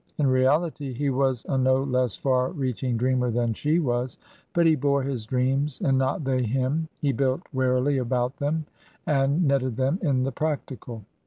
In reality he was a no less far reaching dreamer than she was ; but he bore his dreams, and not they him ; he built warily about them and netted them in the practical.